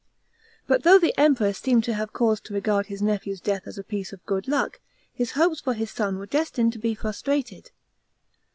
§ 12. But though the Emperor seemed to have cause to regard his nephew's death as a piece of good luck, his hopes for his son were destined to be frustrated.